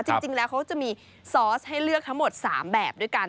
จริงแล้วเขาจะมีซอสให้เลือกทั้งหมด๓แบบด้วยกัน